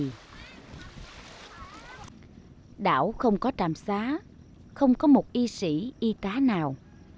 đảo không có trạm xá không có một y sĩ y tá nào